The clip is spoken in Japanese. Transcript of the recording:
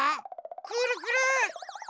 くるくる？